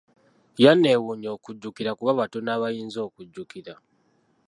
Yanneewuunya okujjukira kuba batono abayinza okujjukira.